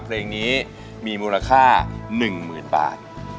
เพลงนี้มีมูลค่า๑หมื่นบาท